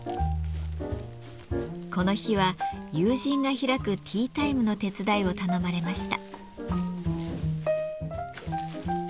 この日は友人が開くティータイムの手伝いを頼まれました。